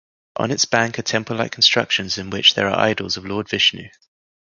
On its bank are temple-like constructions in which there are idols of Lord Vishnu.